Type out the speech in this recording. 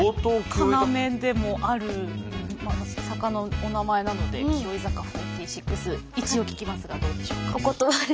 要でもある坂のお名前なので紀尾井坂４６一応聞きますがどうでしょうか？